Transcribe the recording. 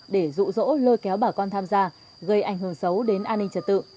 để rụ rỗ lôi kéo bà con tham gia gây ảnh hưởng xấu đến an ninh trật tự